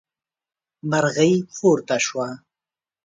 مرغۍ پورته شوه.